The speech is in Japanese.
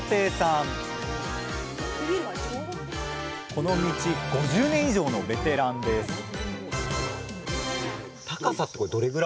この道５０年以上のベテランですそう。